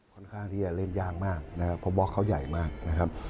ค่อนข้างที่จะเล่นยากมากนะครับเพราะบล็อกเขาใหญ่มากนะครับ